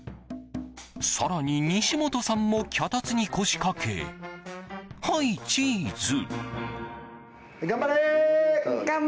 更に、西本さんも脚立に腰掛けはい、チーズ。